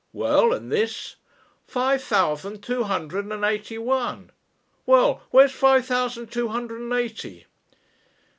"Well, and this?" "Five thousand two hundred and eighty one." "Well where's five thousand two hundred and eighty?"